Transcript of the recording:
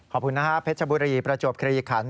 ขอบคุณนะครับเพชรชบุรีประจวบเครียริขันฯ